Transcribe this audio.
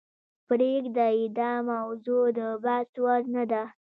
پریږده یې داموضوع دبحث وړ نه ده .